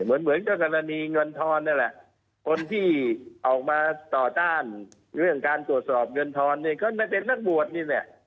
เหมือนเหมือนก็กรณีเงินทอนนี่แหละคนที่ออกมาต่อต้านเรื่องการตรวจสอบเงินทอนเนี่ยก็น่าจะเป็นนักบวชนี่แหละ